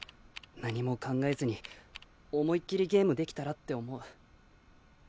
何も考えずに思いっ切りゲームできたらって思う。